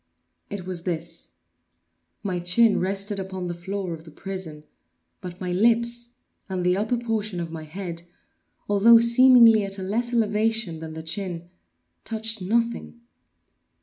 It was this: my chin rested upon the floor of the prison, but my lips and the upper portion of my head, although seemingly at a less elevation than the chin, touched nothing.